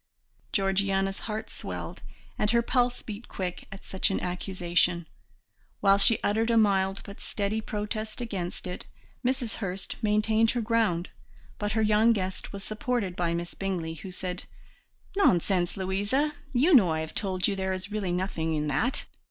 Georgiana's heart swelled, and her pulse beat quick at such an accusation, while she uttered a mild but steady protest against it. Mrs. Hurst maintained her ground, but her young guest was supported by Miss Bingley, who said: "Nonsense, Louisa, you know I have told you there is really nothing in that.